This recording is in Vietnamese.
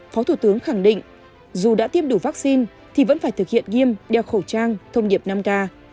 phó thủ tướng khẳng định dù đã tiêm đủ vaccine thì vẫn phải thực hiện nghiêm đeo khẩu trang thông điệp năm k